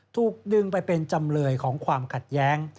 ถูกดึงไปเป็นจำเลยของความขัดแย้ง